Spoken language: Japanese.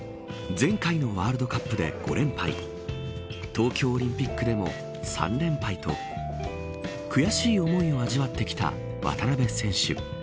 前回のワールドカップで５連敗東京オリンピックでも３連敗と悔しい思いを味わってきた渡邊選手。